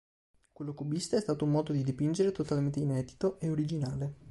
Quello cubista è stato un modo di dipingere totalmente inedito e originale.